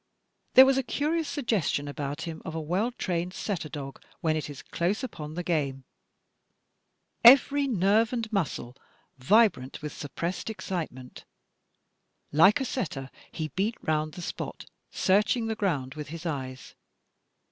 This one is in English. There was a curious suggestion about him of a well trained setter dog when it is close upon the game — every nerve and muscle vibrant with suppressed excitement. Like a setter he beat round the spot, searching the groimd with his eyes.